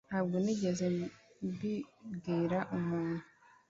ntabwo nigeze mbibwira umuntu.